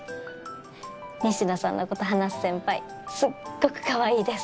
仁科さんのこと話す先輩すっごくかわいいです。